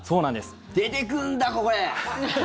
出てくるんだ、ここで。